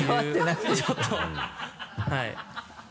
はい。